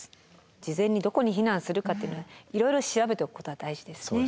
事前にどこに避難するかっていうのはいろいろ調べておくことは大事ですね。